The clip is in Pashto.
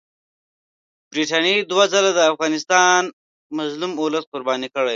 برټانیې دوه ځله د افغانستان مظلوم اولس قرباني کړ.